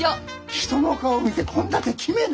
人の顔見て献立決めな。